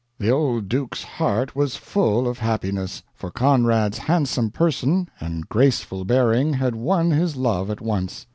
The old duke's heart was full of happiness, for Conrad's handsome person and graceful bearing had won his love at once.